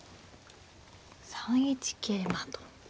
３一桂馬と。